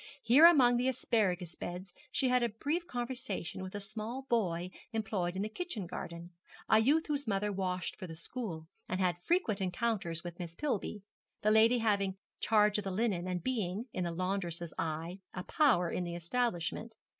Here among the asparagus beds she had a brief conversation with a small boy employed in the kitchen garden, a youth whose mother washed for the school, and had frequent encounters with Miss Pillby, that lady having charge of the linen, and being, in the laundress's eye, a power in the establishment.